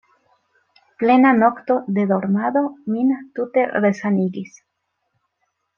Plena nokto de dormado min tute resanigis.